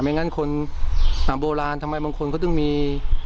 เหมือนคนโบราณบางคนก็ต้องมี